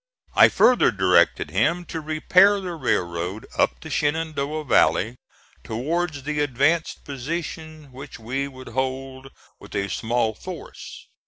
I further directed him to repair the railroad up the Shenandoah Valley towards the advanced position which we would hold with a small force.